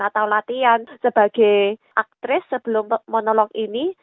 atau latihan sebagai aktris sebelum monolog ini